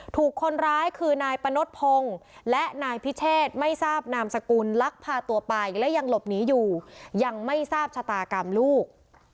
ถูกคนร้ายคือนายปะนดพงศ์และนายพิเชษไม่ทราบนามสกุลลักพาตัวไปและยังหลบหนีอยู่ยังไม่ทราบชะตากรรมลูก